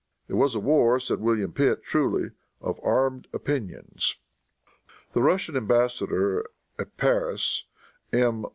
It was a war, said William Pitt truly, "of armed opinions." The Russian embassador at Paris, M.